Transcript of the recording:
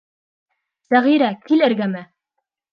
Сәғирә, кил эргәмә.